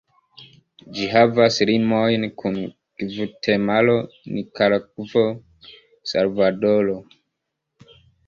Ĝi havas limojn kun Gvatemalo, Nikaragvo, Salvadoro.